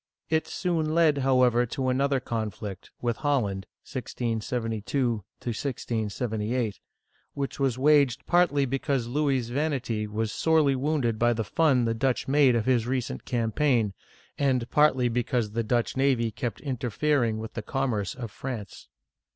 It soon led, however, to an other conflict, with Holland (1672 1678), which was waged partly because Louis's vanity was sorely wounded by the fun the Dutch made of his recent campaign, and partly because the Dutch navy kept interfering with the com merce of France.